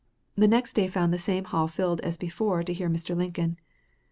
The next day found the same hall filled as before to hear Mr. Lincoln.